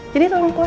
jadi tolong keluar